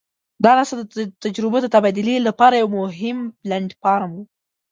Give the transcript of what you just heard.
دا ناسته د تجربو د تبادلې لپاره یو مهم پلټ فارم وو.